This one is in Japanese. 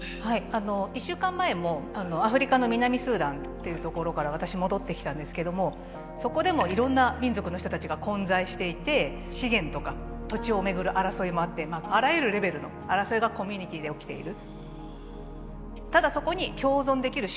あの１週間前もアフリカの南スーダンっていう所から私戻ってきたんですけどもそこでもいろんな民族の人たちが混在していて資源とか土地を巡る争いもあってあらゆるレベルの争いがコミュニティーで起きている。